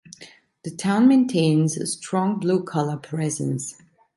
The town maintains a strong blue-collar presence.